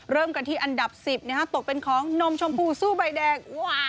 เริ่มกันที่อันดับ๑๐ตกเป็นของนมชมพูสู้ใบแดง